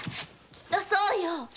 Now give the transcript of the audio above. きっとそうよ。